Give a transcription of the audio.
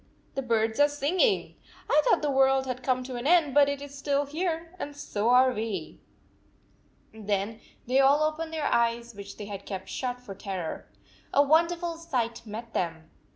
The birds are singing! I thought the world had come to an end, but it is still here, and ^so are we." Then they all opened their eyes, which they had kept shut for terror. A wonderful sight met them